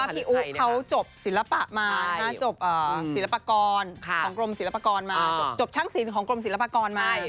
คือด้วยความว่าพี่อู๋เขาจบศิลปะมาจบช่างศิลปกรณ์ของกรมศิลปกรณ์มา